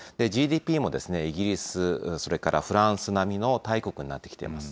ＧＤＰもイギリス、それからフランス並みの大国になってきています。